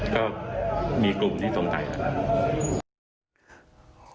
ก็มีกลุ่มที่สงสัยครับ